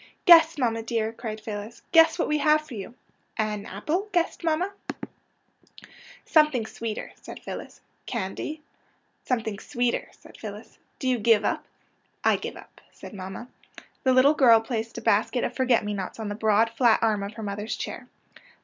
^' Guess, mamma, dear! " cried Phyllis. *' Guess what we have for you! " An apple? " guessed mamma. 76 76 PANSY AND FORGET ME NOT '' Something sweeter/' said Phyllis. '' Candy? ''Something sweeter/' said Phyllis. *' Do you give up? "" I give up," said mamma. The little girl placed a basket of forget me nots on the broad, flat arm of her mother's chair.